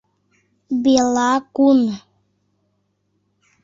Бела Кун